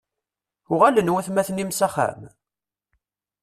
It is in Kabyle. Uɣalen watmaten-im s axxam?